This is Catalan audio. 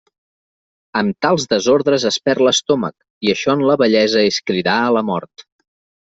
Amb tals desordres es perd l'estómac, i això en la vellesa és cridar a la mort.